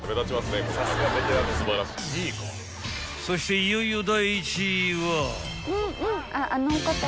［そしていよいよ第１位は］